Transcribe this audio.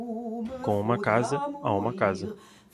Com uma casa, há uma casa.